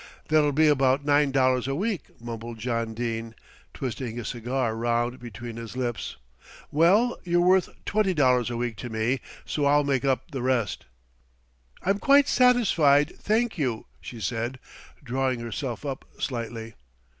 "That'll be about nine dollars a week," mumbled John Dene, twisting his cigar round between his lips. "Well, you're worth twenty dollars a week to me, so I'll make up the rest." "I'm quite satisfied, thank you," she said, drawing herself up slightly.